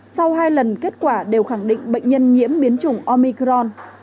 sau hai lần kết quả đều khẳng định bệnh nhân nhiễm biến chủng omicron